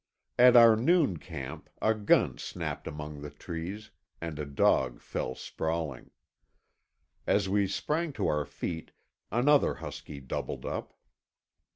At our noon camp a gun snapped among the trees, and a dog fell sprawling. As we sprang to our feet another husky doubled up.